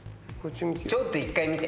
ちょっと一回見て。